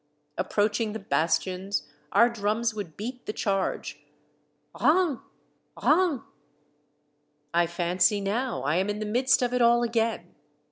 Approach ing the bastions, our drums would beat the charge, 156 Monday Tales, Ran! Ran! I fancy now I am in the midst of it all again.